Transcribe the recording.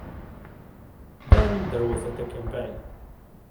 Then there was the campaign.